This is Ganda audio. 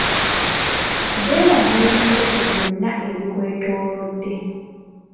Beera mwerinde ku byonna ebikwetoolodde.